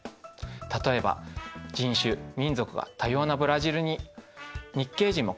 例えば人種・民族が多様なブラジルに日系人も暮らしています。